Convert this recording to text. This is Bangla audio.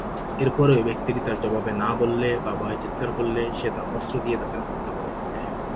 এরপরেও ব্যক্তিটি তার জবাবে না বললে, বা ভয়ে চিৎকার করলে, সে তার অস্ত্র দিয়ে তাদের হত্যা করে ফ্যালে।